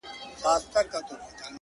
او هغه خړ انځور’